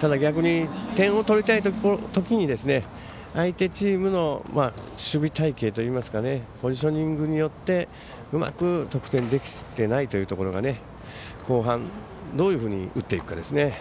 ただ逆に点を取りたいときに相手チームの守備隊形といいますかポジショニングによってうまく得点できてないというところが後半、どういうふうに打っていくかですね。